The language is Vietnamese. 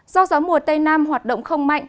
do gió mùa tây nam hoạt động không mạnh